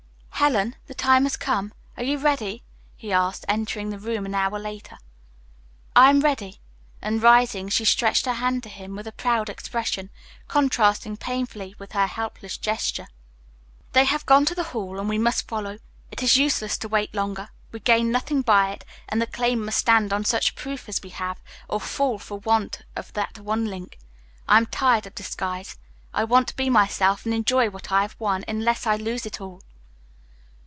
"Helen, the time has come. Are you ready?" he asked, entering her room an hour later. "I am ready." And rising, she stretched her hand to him with a proud expression, contrasting painfully with her helpless gesture. "They have gone to the Hall, and we must follow. It is useless to wait longer; we gain nothing by it, and the claim must stand on such proof as we have, or fall for want of that one link. I am tired of disguise. I want to be myself and enjoy what I have won, unless I lose it all."